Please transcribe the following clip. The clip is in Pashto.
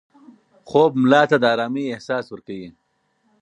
خوب ملا ته د ارامۍ احساس ورکوي.